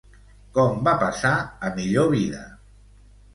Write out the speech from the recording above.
Com va passar a millor vida?